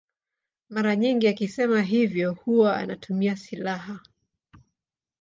Mara nyingi akisema hivyo huwa anatumia silaha.